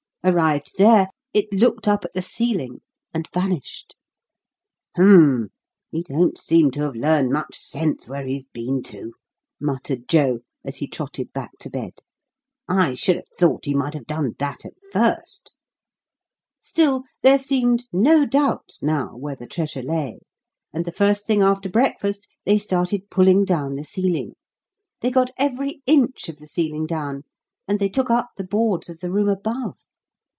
Arrived there, it looked up at the ceiling and vanished. "Umph! he don't seem to have learned much sense where he's been to," muttered Joe, as he trotted back to bed; "I should have thought he might have done that at first." Still, there seemed no doubt now where the treasure lay, and the first thing after breakfast they started pulling down the ceiling. They got every inch of the ceiling down, and they took up the boards of the room above.